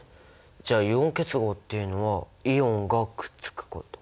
じゃあイオン結合っていうのはイオンがくっつくこと。